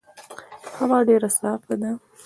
هوا ډېر صافه ده.